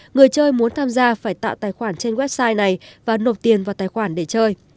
người chơi muốn tham gia phải tạo tài khoản trên website này và nộp tiền vào tài khoản để chơi